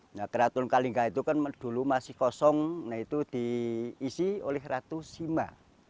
nah keraton kalingga itu kan dulu masih kosong nah itu diisi oleh ratu sima